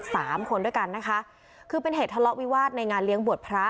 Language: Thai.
สามคนด้วยกันนะคะคือเป็นเหตุทะเลาะวิวาสในงานเลี้ยงบวชพระ